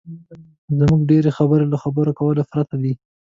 زموږ ډېرې خبرې له خبرو کولو پرته وي.